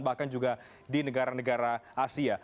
bahkan juga di negara negara asia